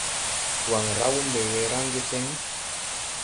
Waŋ raw mbe we raŋge seŋ?